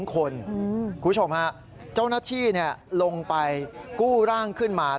คุณผู้ชมฮะเจ้าหน้าที่ลงไปกู้ร่างขึ้นมา